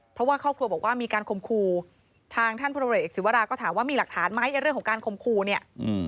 เพราะว่าครอบครัวบอกว่ามีการคมครูทางท่านพลเอกศิวราก็ถามว่ามีหลักฐานไหมเรื่องของการคมครูเนี่ย